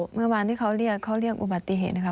เมื่อวานที่เขาเรียกเขาเรียกอุบัติเหตุนะคะ